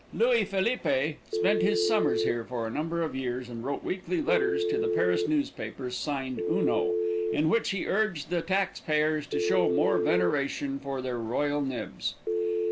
Louis Philippe spent his summers here for a number of years, and wrote weekly letters to the Paris papers, signed "Uno," in which he urged the taxpayers to show more veneration for their royal nibs.